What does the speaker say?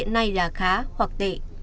nay là khá hoặc tệ